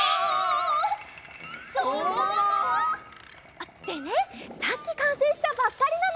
あっでねさっきかんせいしたばっかりなの！